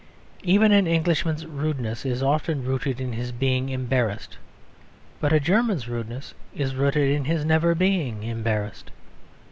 Even an Englishman's rudeness is often rooted in his being embarrassed. But a German's rudeness is rooted in his never being embarrassed.